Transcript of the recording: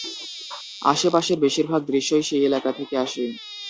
আশেপাশের বেশির ভাগ দৃশ্যই সেই এলাকা থেকে আসে।